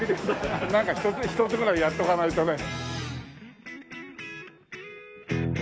なんか一つぐらいやっておかないとね。